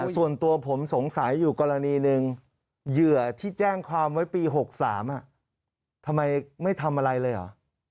ส่วนตัวผมสงสัยอยู่กรณีหนึ่งเหยื่อที่แจ้งความไว้ปี๖๓ทำไมไม่ทำอะไรเลยเหรอ